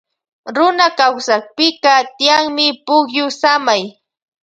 Runa kawsaypika tiyanmi pukyu samay.